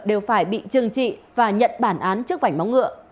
đều phải bị trừng trị và nhận bản án trước vảnh móng ngựa